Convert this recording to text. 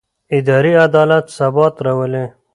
اداري عدالت ثبات راولي